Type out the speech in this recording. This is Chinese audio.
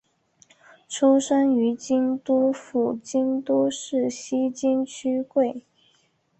出身于京都府京都市西京区桂。